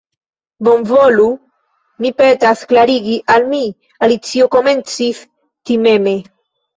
"Bonvolu, mi petas, klarigi al mi," Alicio komencis timeme.